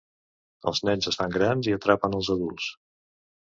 Els nens es fan grans i atrapen els adults